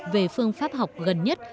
về phương pháp học gần nhất